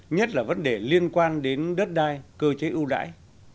nhất là vấn đề liên quan đến đất đai cơ chế ưu đãi